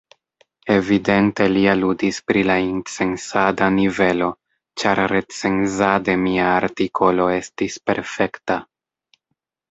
Evidente li aludis pri la incensada nivelo, ĉar recenzade mia artikolo estis perfekta.